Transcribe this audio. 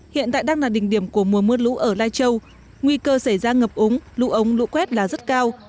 hiện tại đang là đỉnh điểm của mùa mưa lũ ở lai châu nguy cơ xảy ra ngập ống lũ ống lũ quét là rất cao